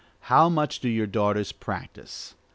How much do your daughters practise?